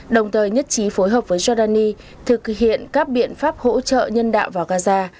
đồng thời nhất trí phối hợp với giordani thực hiện các biện pháp hỗ trợ nhân đạo vào gaza